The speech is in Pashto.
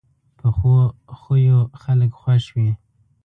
پخو خویو خلک خوښ وي